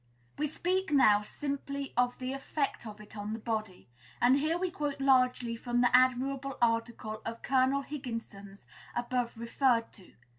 We speak now simply of the effect of it on the body; and here we quote largely from the admirable article of Col. Higginson's, above referred to.